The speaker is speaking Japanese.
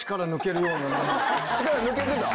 力抜けてた？